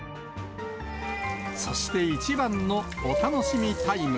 そして、一番のお楽しみタイム。